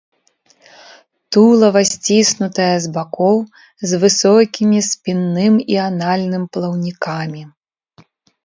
Тулава сціснутае з бакоў, з высокімі спінным і анальным плаўнікамі.